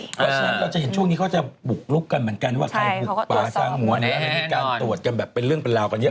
เพราะฉะนั้นเราจะเห็นช่วงนี้เขาจะบุกลุกกันเหมือนกันว่าใครบุกป่าซางหัวหรืออะไรมีการตรวจกันแบบเป็นเรื่องเป็นราวกันเยอะ